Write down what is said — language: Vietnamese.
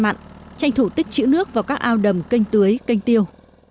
mặn tranh thủ tích chữ nước vào các ao đầm canh tưới canh tiêu